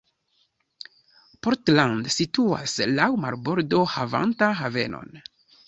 Portland situas laŭ marbordo havanta havenon.